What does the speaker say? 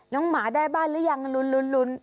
น้องหมาได้บ้านหรือยังหลุน